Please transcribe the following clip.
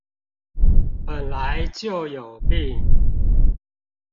本來就有病